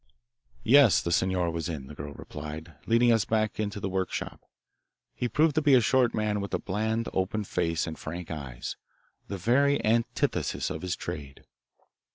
Yes, the signor was in, the girl replied, leading us back into the workshop. He proved to be a short man with a bland, open face and frank eyes, the very antithesis of his trade.